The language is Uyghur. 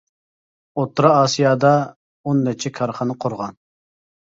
ئوتتۇرا ئاسىيادا ئون نەچچە كارخانا قۇرغان.